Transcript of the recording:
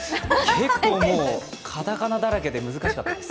結構、片仮名だらけで難しかったです。